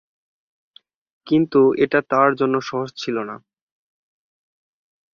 কিন্তু এটা তাঁর জন্য সহজ ছিলনা।